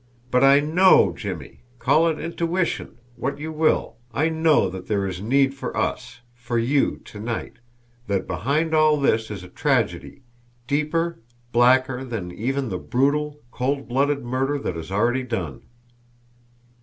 But I KNOW, Jimmie, call it intuition, what you will, I know that there is need for us, for you to night that behind all this is a tragedy, deeper, blacker, than even the brutal, cold blooded murder that is already done."